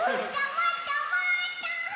もっともっと！